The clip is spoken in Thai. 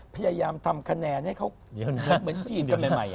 พยายามทำคะแนนให้เขาเหมือนจีนกันใหม่